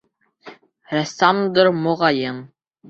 — Рәссамдыр, моғайын.